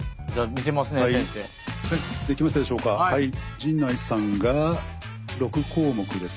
陣内さんが６項目ですね。